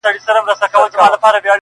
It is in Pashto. دعوه د سړيتوب دي لا مشروطه بولمیاره ,